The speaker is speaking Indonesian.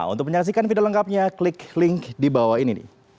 untuk menyaksikan video lengkapnya klik link di bawah ini